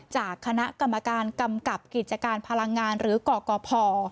จากคณะกรรมการกำกับกิจการพลังงานหรือกกพ